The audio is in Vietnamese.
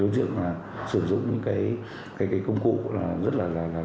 chúng tôi sử dụng những công cụ rất là tối tân